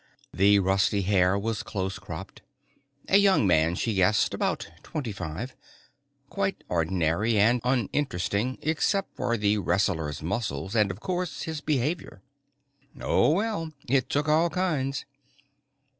The rusty hair was close cropped. A young man, she guessed, about twenty five, quite ordinary and uninteresting except for the wrestler's muscles and, of course, his behavior. Oh, well, it took all kinds.